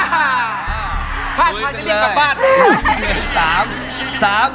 ถ้าท้านดื่มห่วงกลับบ้าน